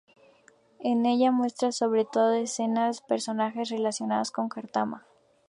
En ella muestra sobre todo escenas y personajes relacionados con Cártama.